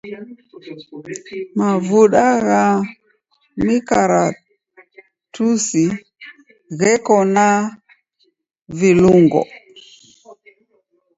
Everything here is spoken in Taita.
Mavuda gha mikaratusi gheko na vilungo.